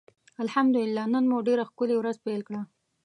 الحمدالله نن مو ډيره ښکلي ورځ پېل کړه.